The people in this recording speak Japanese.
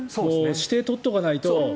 指定を取っていないと。